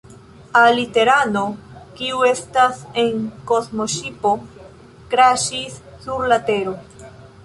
Aliterano, kiu estas en kosmoŝipo, kraŝis sur la Tero